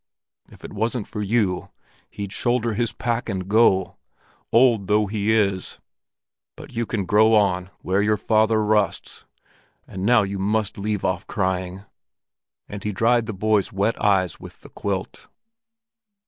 If it wasn't for you, he'd shoulder his pack and go—old though he is. But you can grow on where your father rusts. And now you must leave off crying!" And he dried the boy's wet eyes with the quilt.